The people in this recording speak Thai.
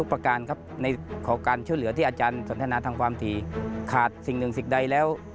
สนทนาทางความถี่ขาดสิ่งหนึ่งสิ่งใดแล้ว